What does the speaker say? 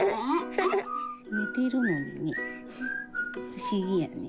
寝てるのにね、不思議やね。